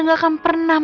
saya akan berdoa sama dia